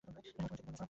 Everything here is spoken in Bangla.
সবসময় জেদি মনোভাব।